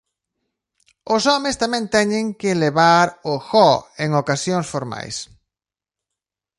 Os homes tamén teñen que levar o "gho" en ocasións formais.